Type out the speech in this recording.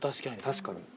確かに。